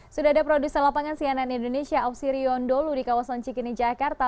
sudah ada produser lapangan cnn indonesia auxirion dholu di kawasan cikini jakarta